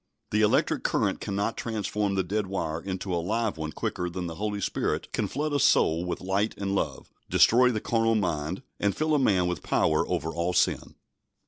The electric current cannot transform the dead wire into a live one quicker than the Holy Spirit can flood a soul with light and love, destroy the carnal mind, and fill a man with power over all sin.